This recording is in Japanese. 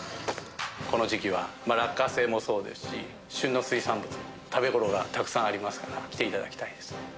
この時期は落花生もそうですし、旬の水産物も、食べごろがたくさんありますから、来ていただきたいですね。